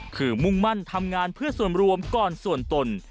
คือมุ่งมั่นทำงานเพื่อส่วนรวมก่อนส่วนตน